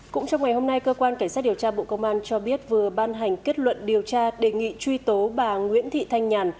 cũng trong ngày hôm nay cơ quan cảnh sát điều tra bộ công an cho biết vừa ban hành kết luận điều tra đề nghị truy tố bà nguyễn thị thanh nhàn